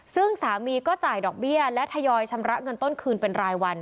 ซึ่งสามีก็จ่ายดอกเบี้ยและทยอยชำระเงินต้นคืนเป็นรายวัน